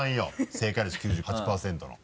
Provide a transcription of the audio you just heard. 正解率９８％の。